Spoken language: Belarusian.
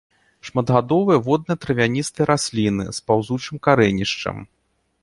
Шматгадовыя водныя травяністыя расліны з паўзучым карэнішчам.